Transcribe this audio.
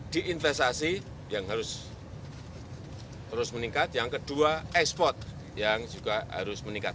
di investasi yang harus terus meningkat yang kedua ekspor yang juga harus meningkat